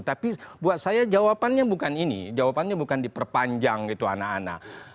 tapi buat saya jawabannya bukan ini jawabannya bukan diperpanjang itu anak anak